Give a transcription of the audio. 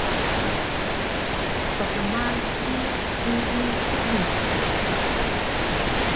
pkmalu bi hiyi uri